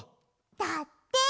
だって。